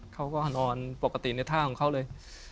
เขาก็นอนปกติในท่าของเขาเลย